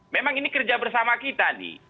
memang ini kerja bersama kita nih